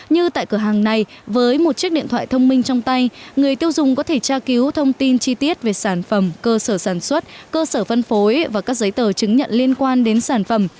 như tại cửa hàng này với một chiếc điện thoại thông minh trong tay người tiêu dùng có thể tra cứu thông tin chi tiết về sản phẩm cơ sở sản xuất cơ sở phân phối và các giấy tờ chứng nhận liên quan đến sản phẩm